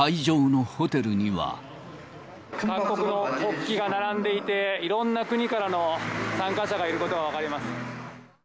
各国の国旗が並んでいて、いろんな国からの参加者がいることが分かります。